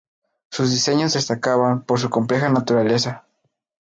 Sus diseños destacaban por su compleja naturaleza.